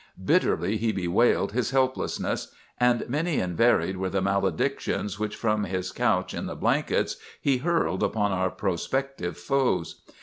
Bitterly he bewailed his helplessness; and many and varied were the maledictions which from his couch in the blankets he hurled upon our prospective foes.